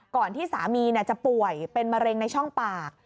ที่สามีจะป่วยเป็นมะเร็งในช่องปาก